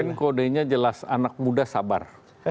kan kodenya jelas anak muda sabar